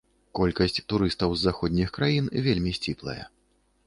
Колькасць турыстаў з заходніх краін вельмі сціплая.